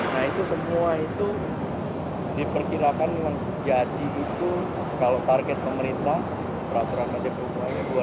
nah itu semua itu diperkirakan menjadi itu kalau target pemerintah peraturan kecepatannya dua ribu tiga puluh